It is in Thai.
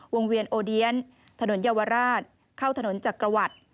เวียนโอเดียนถนนเยาวราชเข้าถนนจักรวรรดิ